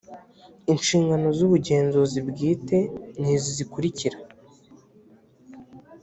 inshingano z ubugenzuzi bwite ni izi zikurikira